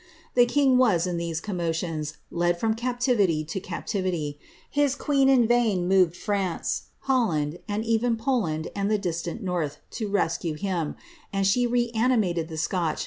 The king was, in these commotions, led from captivity to captivity: his queen in vain inove<l Prance, Holland, and even Poland and the di«iant north, to his rescue; she reanimated the Scotch.'